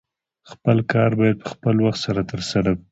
خپل کار باید په خپل وخت سره ترسره کړې